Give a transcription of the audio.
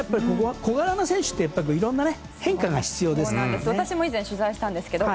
小柄な選手って変化が必要ですよね。